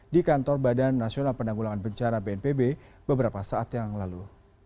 di kantor badan nasional penanggulangan bencana bnpb beberapa saat yang lalu